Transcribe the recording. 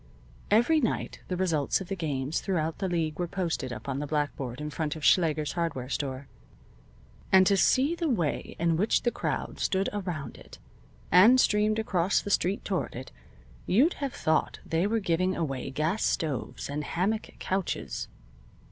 Every night the results of the games throughout the league were posted up on the blackboard in front of Schlager's hardware store, and to see the way in which the crowd stood around it, and streamed across the street toward it, you'd have thought they were giving away gas stoves and hammock couches.